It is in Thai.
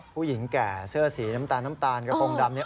ผู้หญิงแก่เสื้อสีน้ำตาลน้ำตาลกระโปรงดำเนี่ย